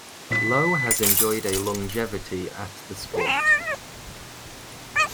Lowe has enjoyed a longevity at the sport.